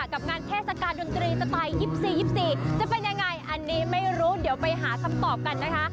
กับงานเทศกาลดนตรีสไตล์๒๔๒๔จะเป็นยังไงอันนี้ไม่รู้เดี๋ยวไปหาคำตอบกันนะคะ